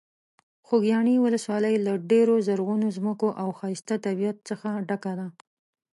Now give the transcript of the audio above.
خوږیاڼي ولسوالۍ له ډېرو زرغونو ځمکو او ښایسته طبیعت څخه ډکه ده.